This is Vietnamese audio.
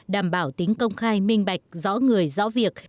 đảm bảo tính công khai minh bạch rõ người rõ việc